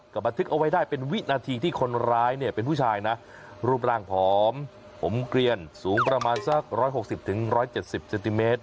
ก็บันทึกเอาไว้ได้เป็นวินาทีที่คนร้ายเนี่ยเป็นผู้ชายนะรูปร่างผอมผมเกลียนสูงประมาณสัก๑๖๐๑๗๐เซนติเมตร